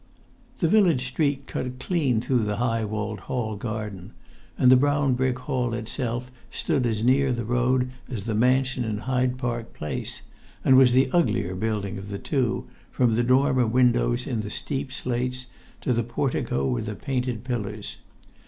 The village street cut clean through the high walled hall garden, and the brown brick hall itself stood as near the road as the mansion in Hyde Park Place, and was the uglier building of the two, from the dormer windows in the steep slates to the portico with the painted pillars.